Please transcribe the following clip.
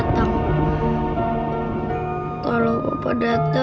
aku mau bikin mama bahagia